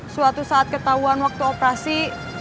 suatu saat ketahuan waktu operasi